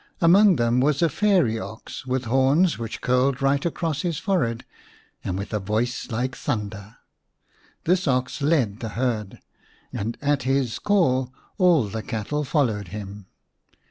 Among them was a fairy ox, with horns which curled right across his forehead, and with a voice like thunder ; this ox led the herd, and at his call all the cattle followed him.